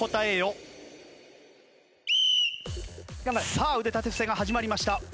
さあ腕立て伏せが始まりました。